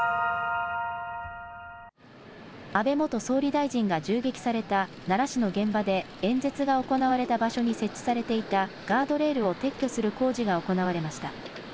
安倍元総理大臣が銃撃された奈良市の現場で演説が行われた場所に設置されていたガードレールを撤去する工事が行われました。